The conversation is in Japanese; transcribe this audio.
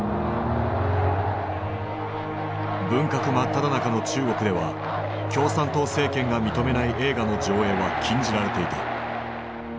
文革真っただ中の中国では共産党政権が認めない映画の上映は禁じられていた。